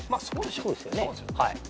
そうですよね。